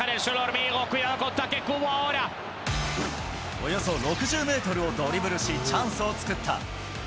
およそ６０メートルをドリブルし、チャンスを作った。